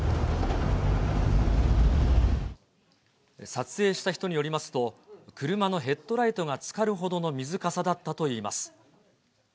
撮影した人によりますと、車のヘッドライトがつかるほどの水かさだったといいます。